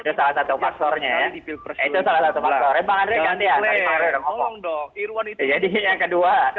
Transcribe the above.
itu salah satu faktornya bang andre ganti aja